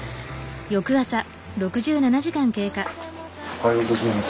おはようございます。